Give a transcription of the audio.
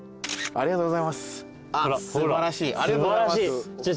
ありがとうございます。